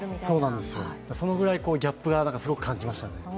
そのぐらいギャップが、すごく感じましたね。